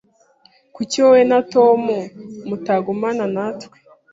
Kuki wowe na Tom mutagumana natwe?